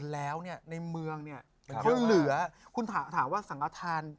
แจ๊คจิลวันนี้เขาสองคนไม่ได้มามูเรื่องกุมาทองอย่างเดียวแต่ว่าจะมาเล่าเรื่องประสบการณ์นะครับ